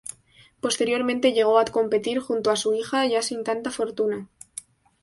Posteriormente llegó a competir junto a su hija, ya sin tanta fortuna.